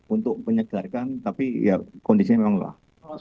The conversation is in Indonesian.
untuk menyegarkan tapi ya kondisinya memanglah